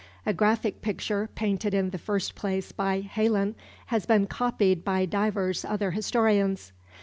A graphic picture, painted in the first place by Heylyn, has been copied by divers other historians.